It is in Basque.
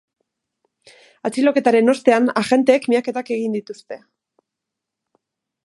Atxiloketaren ostean, agenteek miaketak egin dituzte.